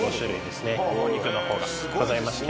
お肉の方がございまして。